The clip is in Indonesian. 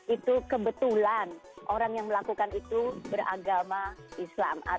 itu kebetulan orang yang melakukan itu beragama islam